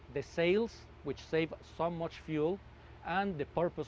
pembelian yang menghidupkan banyak minyak